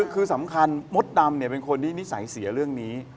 คือสำคัญมดดำเป็นคนที่นิสัยเสียเรื่องนี้